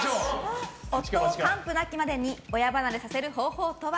夫を完膚なきまでに親離れさせる方法とは？